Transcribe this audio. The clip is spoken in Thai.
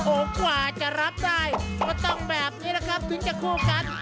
โอ้กว่าจะรับได้ก็ต้องแบบนี้นะครับก่อมกัน